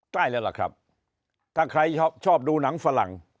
ได้แล้วล่ะครับถ้าใครชอบดูหนังฝรั่ง